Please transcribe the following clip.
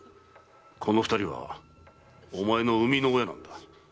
この二人はお前の生みの親なんだ。